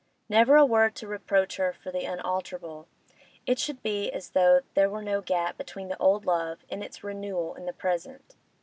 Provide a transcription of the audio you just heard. Never a word to reproach her for the unalterable; it should be as though there were no gap between the old love and its renewal in the present.